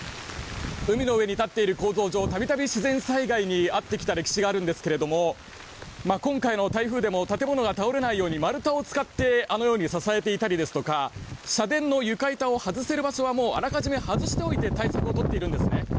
海の上に立っている構造上度々、自然災害に遭ってきた歴史があるんですが今回の台風でも建物が倒れないように丸太を使ってあのように支えていたりですとか社殿の床板を外せる場所はあらかじめ外しておいて対策を取っているんですね。